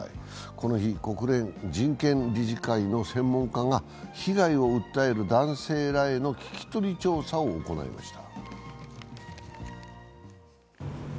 この日、国連人権理事会の専門家が被害を訴える男性らへの聞き取り調査を行いました。